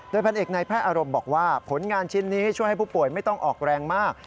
พันเอกในแพทย์อารมณ์บอกว่าผลงานชิ้นนี้ช่วยให้ผู้ป่วยไม่ต้องออกแรงมาก